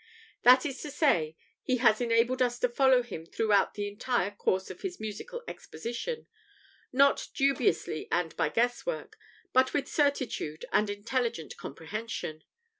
That is to say, he has enabled us to follow him throughout the entire course of his musical exposition, not dubiously and by guesswork, but with certitude and intelligent comprehension.